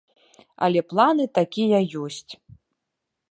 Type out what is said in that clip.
Але планы такія ёсць.